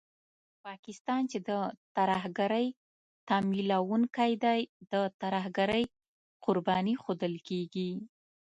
پاکستان چې د ترهګرۍ تمويلوونکی دی، د ترهګرۍ قرباني ښودل کېږي